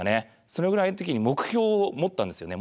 そのぐらいの時に目標を持ったんですよね。